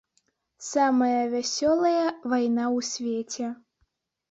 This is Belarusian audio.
Самая вясёлая вайна ў свеце.